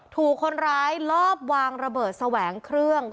ถูกคนร้ายลอบวางระเบิดแสวงเครื่อง